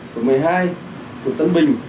quận một mươi hai quận tân bình